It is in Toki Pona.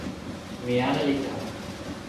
mi ale li tawa.